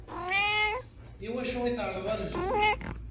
I wacu tεelleḍt anezgum?